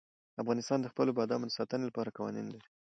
افغانستان د خپلو بادامو د ساتنې لپاره قوانین لري.